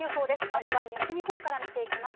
まずは西日本から見ていきます。